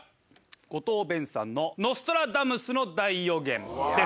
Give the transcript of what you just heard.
五島勉さんの『ノストラダムスの大予言』です。